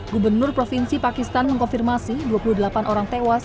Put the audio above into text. gubernur provinsi pakistan mengkonfirmasi dua puluh delapan orang tewas